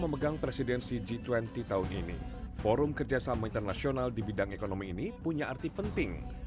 memegang presidensi g dua puluh tahun ini forum kerjasama internasional di bidang ekonomi ini punya arti penting